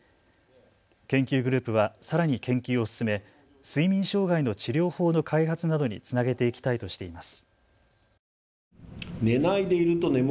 研究グループはさらに研究を進め睡眠障害の治療法の開発などにつなげていきたいとしています。